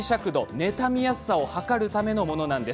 ねたみやすさを測るためのものです。